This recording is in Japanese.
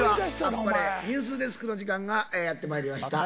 「あっぱれニュースデスク」の時間がやってまいりました。